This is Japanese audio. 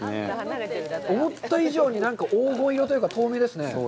思った以上に黄金色というか透明ですね。